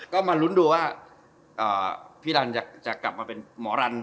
ก็มาลุ้นดูว่าพี่รันจะกลับมาเป็นหมอรัน